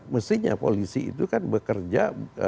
mestinya polisi itu kan bekerja